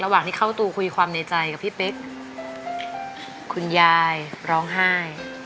ระหว่างที่เข้าตูคุยความในใจกับพี่เป๊กคุณยายร้องไห้